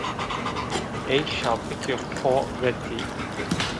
Ey şapikê xo vetî